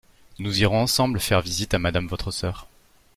Nous irons ensemble faire visite à Madame votre sœur.